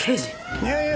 いやいや！